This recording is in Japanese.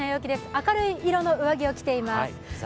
明るい色の上着を着ています。